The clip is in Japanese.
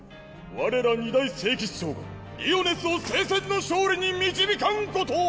我ら二大聖騎士長がリオネスを聖戦の勝利に導かんことを！